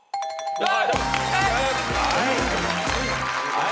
はい。